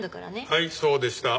はいそうでした。